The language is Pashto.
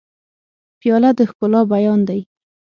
پیاله د ښکلا بیان دی.